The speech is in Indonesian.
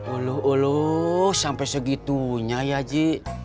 ulus ulu sampai segitunya ya ji